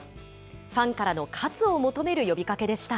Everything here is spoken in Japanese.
ファンからの喝を求める呼びかけでした。